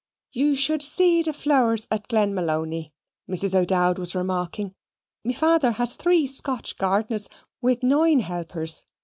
"You should see the flowers at Glenmalony," Mrs. O'Dowd was remarking. "Me fawther has three Scotch garners with nine helpers.